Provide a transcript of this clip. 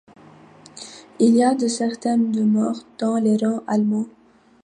Il y a des centaines de morts dans les rangs allemands.